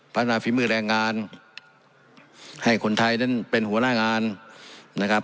ฝ่าฝีมือแรงงานให้คนไทยนั้นเป็นหัวหน้างานนะครับ